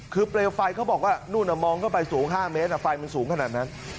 คือเปลวไฟเขาบอกว่านู่นมองเข้าไปสูง๕เมตรไฟมันสูงขนาดนั้น